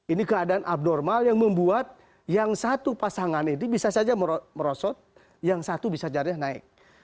ini keadaan abnormal yang membuat yang satu pasangan ini bisa saja merosot yang satu bisa jadi naik